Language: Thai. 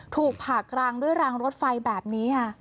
ถูกผ่ากลางด้วยรางรถไฟแบบนี้ค่ะ